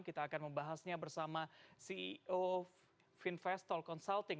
kita akan membahasnya bersama ceo finvestol consulting